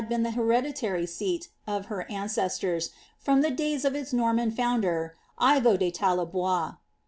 1] been the hereditary seat of her ancestors from the days of its Norman founder, Ito de Tallebois.